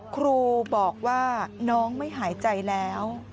ครูบอกว่าน้องไม่หายใจแล้ว